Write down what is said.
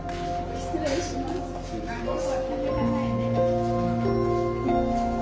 失礼します。